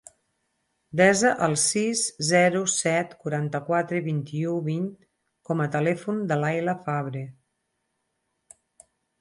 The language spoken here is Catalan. Desa el sis, zero, set, quaranta-quatre, vint-i-u, vint com a telèfon de l'Ayla Fabre.